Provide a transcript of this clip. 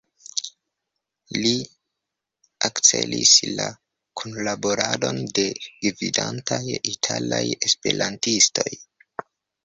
Li akcelis la kunlaboradon de gvidantaj italaj Esperantistoj.